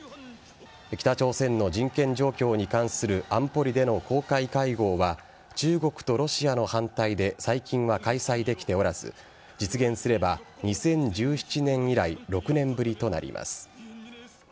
北朝鮮の人権状況に関する安保理での公開会合は中国とロシアの反対で最近は開催できておらず実現すれば２０１７年以来６年ぶりとなります。